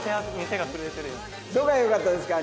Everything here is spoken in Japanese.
どこがよかったですか？